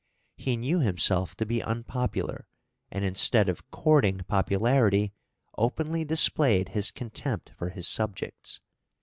He knew himself to be unpopular, and, instead of courting popularity, openly displayed his contempt for his subjects.